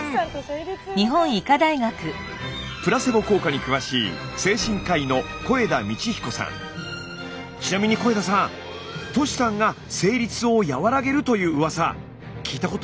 プラセボ効果に詳しい精神科医のちなみに肥田さんトシさんが生理痛を和らげるというウワサ聞いたことありました？